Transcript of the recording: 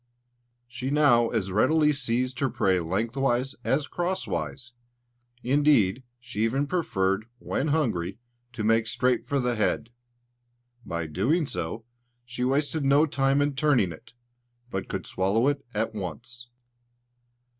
She now as readily seized her prey lengthwise as cross wise; indeed, she even preferred, when hungry, to make straight for the head; by so doing, she wasted no time in turning it, but could swallow it at once.